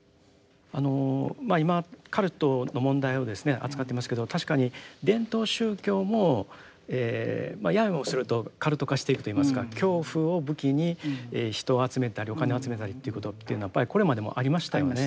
あのまあ今カルトの問題を扱っていますけど確かに伝統宗教もややもするとカルト化していくといいますか恐怖を武器に人を集めたりお金を集めたりということっていうのはやっぱりこれまでもありましたよね。